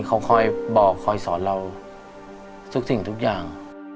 เขาคอยบอกคอยสอนเราทุกสิ่งทุกอย่าง